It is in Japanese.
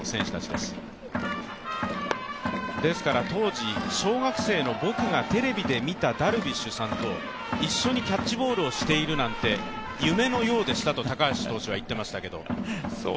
ですから当時、小学生の僕がテレビで見たダルビッシュさんと一緒にキャッチボールをしているなんて、夢のようでしたと高橋投手は言っていましたけども。